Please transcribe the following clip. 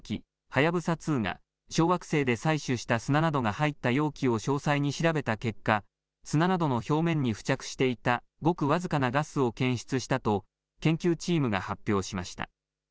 はやぶさ２が、小惑星で採取した砂などが入った容器を詳細に調べた結果、砂などの表面に付着していたごく僅かなガスを検出したと研究チームが発表しました。